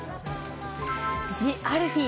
ＴＨＥＡＬＦＥＥ